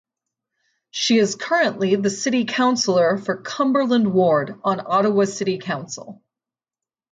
She is currently the city councillor for Cumberland Ward on Ottawa City Council.